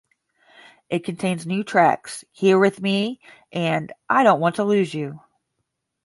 It contains new tracks "Here With Me" and "I Don't Want to Lose You.